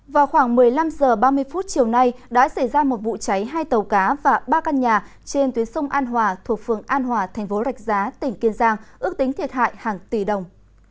vào khoảng một mươi năm h ba mươi chiều nay đã xảy ra một vụ cháy hai tàu cá và ba căn nhà trên tuyến sông an hòa thuộc phường an hòa thành phố rạch giá tỉnh kiên giang ước tính thiệt hại hàng tỷ đồng